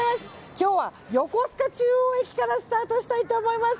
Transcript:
今日は横須賀中央駅からスタートしたいと思います。